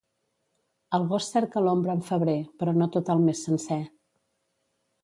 El gos cerca l'ombra en febrer, però no tot el mes sencer.